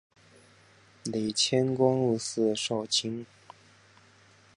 累迁光禄寺少卿。